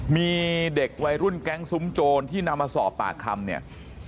มีเด็กวัยรุ่นแก๊งซุ้มโจรที่นำมาสอบปากคำเนี่ย